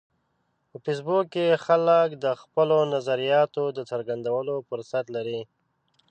په فېسبوک کې خلک د خپلو نظریاتو د څرګندولو فرصت لري